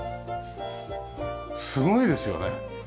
すごいですよね。